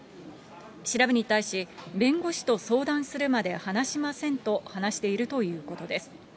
調べに対し、弁護士と相談するまで話しませんと、話しているということです。